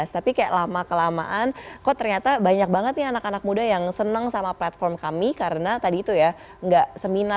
tapi kayak lama kelamaan kok ternyata banyak banget nih anak anak muda yang seneng sama platform kami karena tadi itu ya nggak seminar